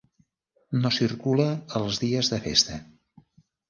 No circula els dies de festa.